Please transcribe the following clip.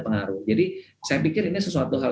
pengaruh jadi saya pikir ini sesuatu hal